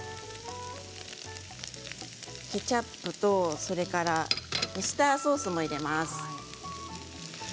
ケチャップとそれからウスターソースも入れます。